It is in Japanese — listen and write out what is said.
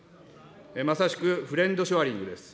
まさしくフレンドショアリングです。